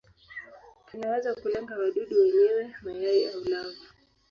Kinaweza kulenga wadudu wenyewe, mayai au lava.